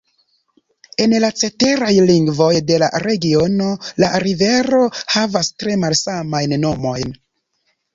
En la ceteraj lingvoj de la regiono la rivero havas tre malsamajn nomojn.